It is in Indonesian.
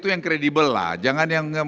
itu yang kredibel lah jangan yang